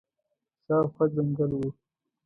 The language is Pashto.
شاوخوا جنګل وو.